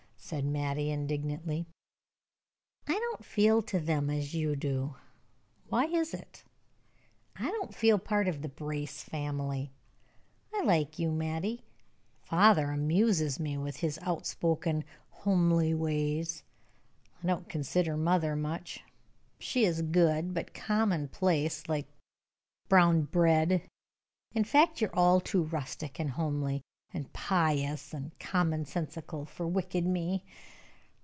said Mattie, indignantly. "I don't feel to them as you do why is it? I don't feel a part of the Brace family. I like you, Mattie; father amuses me with his outspoken, homely ways; I don't consider mother much. She is good, but commonplace, like brown bread. In fact, you are all too rustic, and homely, and pious, and common sensical for wicked me.